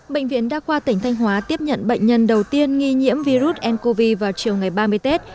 bệnh viện đa khoa tỉnh thanh hóa tiếp nhận bệnh nhân đầu tiên nghi nhiễm virus ncov vào chiều ngày ba mươi tết